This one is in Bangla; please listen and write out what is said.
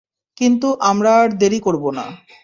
কিন্তু আমরা আর দেরি করবো না!